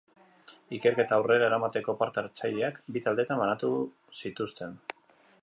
Ikerketa aurrera eramateko parte-hartzaileak bi taldetan banatu zituzten.